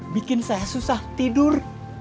bikin saya susah tidur